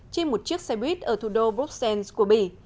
trên một chiếc xe buýt ở thủ đô bruxelles của bỉ